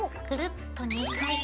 くるっと。